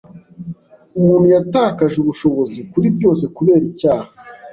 umuntu yatakaje ubushobozi kuri byose kubera icyaha